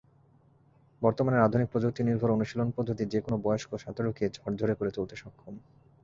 বর্তমানের আধুনিক প্রযুক্তিনির্ভর অনুশীলন পদ্ধতি যেকোনো বয়স্ক সাঁতারুকেই ঝরঝরে করে তুলতে সক্ষম।